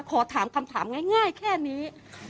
ขอถามคำถามง่ายแค่นี้